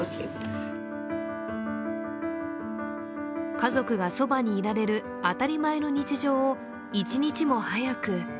家族がそばにいられる当たり前の日常を一日も早く。